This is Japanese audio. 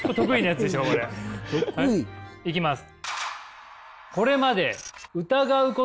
いきます。